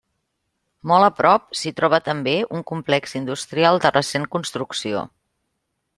Molt a prop s'hi troba també un complex industrial de recent construcció.